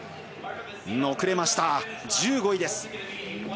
１５位です。